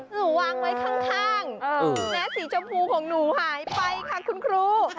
วางไว้ข้างนะสีชมพูของหนูหายไปค่ะคุณครู